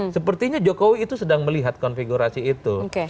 sepertinya jokowi itu sedang melihat konfigurasi itu